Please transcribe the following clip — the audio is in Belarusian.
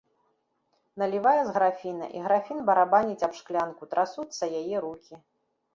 Налівае з графіна, і графін барабаніць аб шклянку, трасуцца яе рукі.